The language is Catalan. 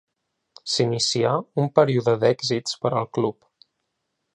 S'inicià un període d'èxits per al club.